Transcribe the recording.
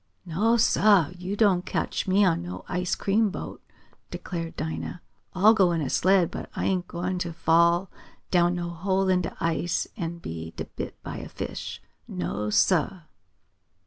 "No, sah! Yo' don't cotch me on no ice cream boat!" declared Dinah. "I'll go in a sled, but I ain't gwine t' fall down no hole in de ice and be bit by a fish! No, sah!"